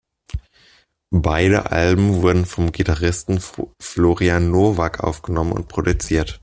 Beide Alben wurden vom Gitarristen Florian Nowak aufgenommen und produziert.